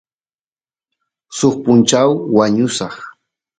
suk punchaw wañusaq